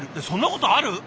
そんなことある？